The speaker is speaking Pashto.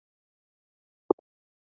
وجدان د هویت معیار دی.